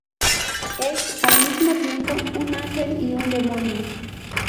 Es, al mismo tiempo, un ángel y un demonio.